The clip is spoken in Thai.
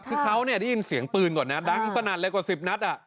คือเขาได้ยินเสียงปืนก่อนนะดังสนั่นเลยกว่า๑๐นัด